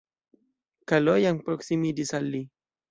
Kalojan proksimiĝis al li.